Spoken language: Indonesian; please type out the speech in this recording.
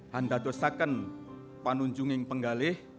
handa dosaken panunjungin penggali